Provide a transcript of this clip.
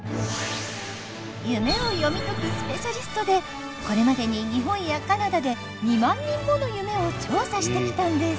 夢を読み解くスペシャリストでこれまでに日本やカナダで２万人もの夢を調査してきたんです！